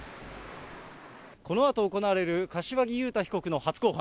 このあと行われる、柏木雄太被告の初公判。